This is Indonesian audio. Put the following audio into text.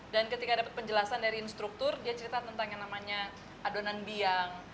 dan ketika dapat penjelasan dari instruktur dia cerita tentang yang namanya adonan biang